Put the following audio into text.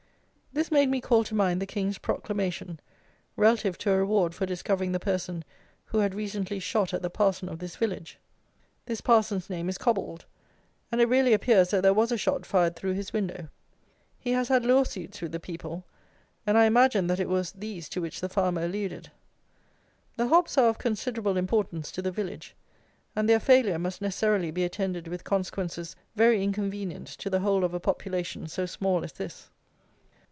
This made me call to mind the King's proclamation, relative to a reward for discovering the person who had recently shot at the parson of this village. This parson's name is Cobbold, and it really appears that there was a shot fired through his window. He has had law suits with the people; and I imagine that it was these to which the farmer alluded. The hops are of considerable importance to the village, and their failure must necessarily be attended with consequences very inconvenient to the whole of a population so small as this.